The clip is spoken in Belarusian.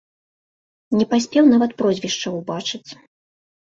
Не паспеў нават прозвішча ўбачыць.